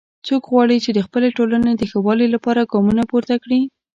څوک غواړي چې د خپلې ټولنې د ښه والي لپاره ګامونه پورته کړي